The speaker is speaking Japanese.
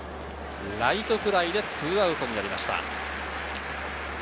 ライトフライで２アウトになりました。